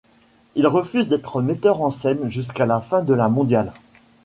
Il refuse d'être metteur en scène jusqu'à la fin de la mondiale.